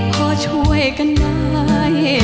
ขอช่วยกันได้